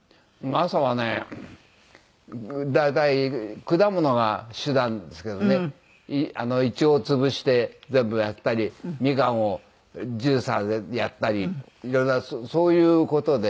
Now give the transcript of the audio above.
朝はね大体果物が主なんですけどね一応潰して全部やったりみかんをジューサーでやったり色んなそういう事で。